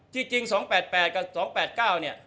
จริง๒๘๘กับ๒๘๙เนี่ย